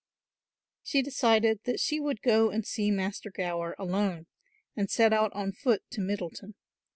She decided that she would go and see Master Gower alone and set out on foot to Middleton.